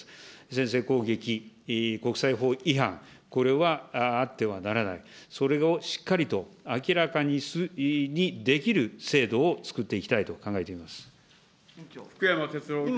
先制攻撃、国際法違反、これはあってはならない、それをしっかりと明らかにできる制度を作っていきたいと考えてい福山哲郎君。